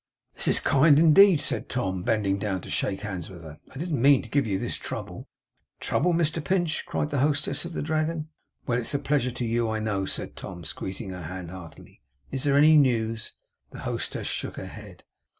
'This is kind indeed!' said Tom, bending down to shake hands with her. 'I didn't mean to give you this trouble.' 'Trouble, Mr Pinch!' cried the hostess of the Dragon. 'Well! It's a pleasure to you, I know,' said Tom, squeezing her hand heartily. 'Is there any news?' The hostess shook her head.